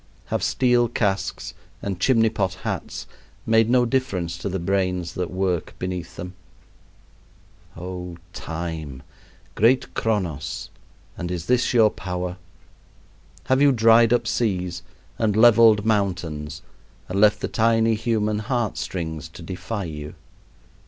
Have steel casques and chimney pot hats made no difference to the brains that work beneath them? Oh, Time! great Chronos! and is this your power? Have you dried up seas and leveled mountains and left the tiny human heart strings to defy you?